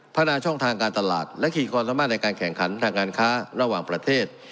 นาช่องทางการตลาดและขีดความสามารถในการแข่งขันทางการค้าระหว่างประเทศ